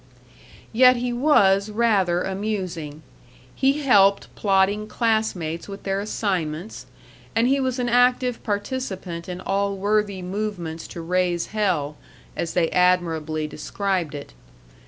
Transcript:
Yet he was rather amusing; he helped plodding classmates with their assignments, and he was an active participant in all worthy movements to raise hell as they admirably described it.